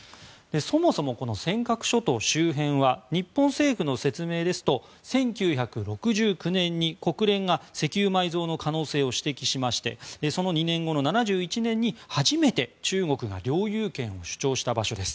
そもそも、尖閣諸島周辺は日本政府の説明ですと１９６９年に国連が石油埋蔵の可能性を指摘しましてその２年後の７１年に初めて中国が領有権を主張した場所です。